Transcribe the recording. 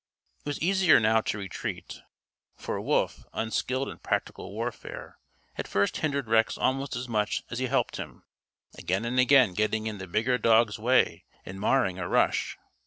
It was easier now to retreat. For Wolf, unskilled in practical warfare, at first hindered Rex almost as much as he helped him, again and again getting in the bigger dog's way and marring a rush.